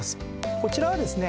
こちらはですね